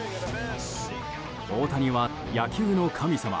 大谷は野球の神様